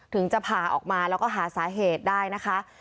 ถึงจะผ่าออกมาแล้วก็หาสาเหตุได้นะคะ